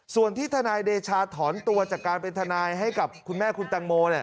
ส่วนที่ทนายเดชาถอนตัวจากการเป็นทนายให้กับคุณแม่คุณตังโม